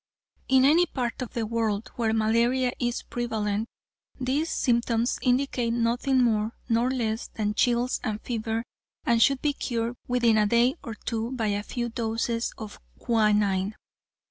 In any part of the world where malaria is prevalent these symptoms indicate nothing more nor less than chills and fever and should be cured within a day or two by a few doses of quinine.